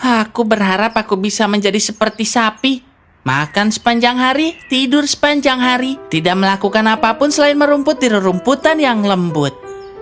aku berharap aku bisa menjadi seperti sapi makan sepanjang hari tidur sepanjang hari tidak melakukan apapun selain merumput di rumputan yang lembut